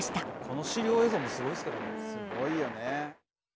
この資料映像もすごいですけどね。